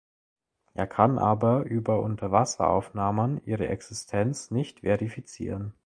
Er kann aber über Unterwasseraufnahmen ihre Existenz nicht verifizieren.